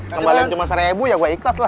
kembalian cuma seribu ya gue ikhlas lah